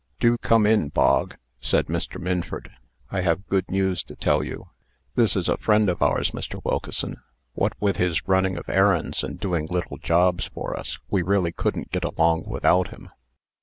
"Do come in, Bog," said Mr. Minford. "I have good news to tell you. This is a friend of ours, Mr. Wilkeson. What with his running of errands, and doing little jobs for us, we really couldn't get along without him.